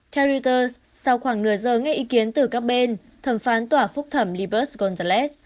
theo reuters sau khoảng nửa giờ nghe ý kiến từ các bên thẩm phán tòa phúc thẩm libus gonzalez